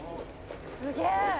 「すげえ！」